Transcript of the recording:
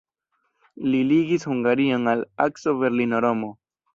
Li ligis Hungarion al akso Berlino-Romo.